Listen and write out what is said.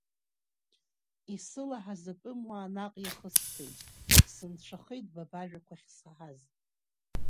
Исылаҳаз атәымуаа наҟ иахысцеит, сынцәахеит ба бажәақәа ахьсаҳаз.